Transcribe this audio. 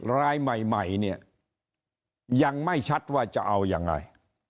รายใหม่เนี่ยยังไม่ชัดว่าจะเอายังไง